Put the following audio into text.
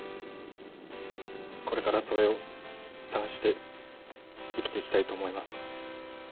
これからそれを探して生きていきたいと思います。